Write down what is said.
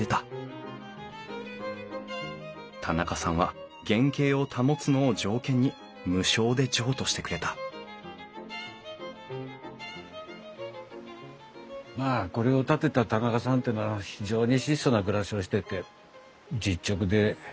田仲さんは原形を保つのを条件に無償で譲渡してくれたまあこれを建てた田仲さんっていうのは非常に質素な暮らしをしてて実直でまあ家族思い。